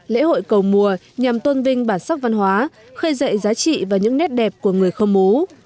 lễ hội cầu mùa nhằm tôn vinh bản sắc văn hóa khơi dậy giá trị và những nét đẹp của người khơ mú